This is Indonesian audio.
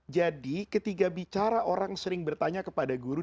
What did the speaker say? jadi ketika bicara orang sering bertanya kepada guru